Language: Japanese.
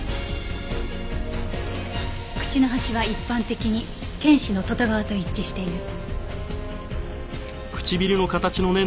口の端は一般的に犬歯の外側と一致している。